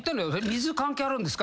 「水関係あるんですか？」